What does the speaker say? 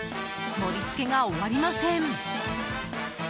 盛り付けが終わりません。